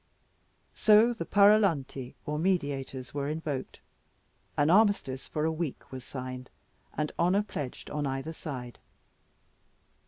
So the Parolanti, or mediators, were invoked; an armistice for a week was signed, and honour pledged on either side.